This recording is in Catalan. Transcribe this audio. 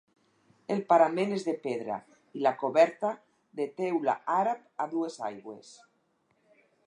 El parament és de pedra i la coberta, de teula àrab a dues aigües.